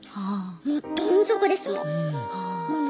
もうどん底ですもう。